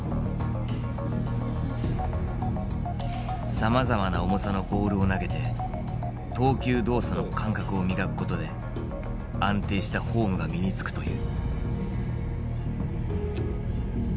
さまざまな重さのボールを投げて投球動作の感覚を磨くことで安定したフォームが身につくという。